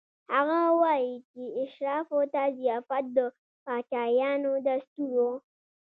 هغه وايي چې اشرافو ته ضیافت د پاچایانو دستور و.